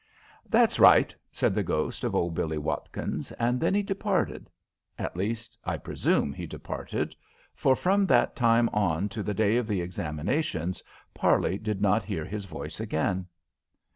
"That's right," said the ghost of old Billie Watkins, and then he departed. At least I presume he departed, for from that time on to the day of the examinations Parley did not hear his voice again.